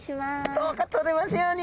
どうかとれますように。